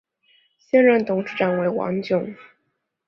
现任董事长为王炯。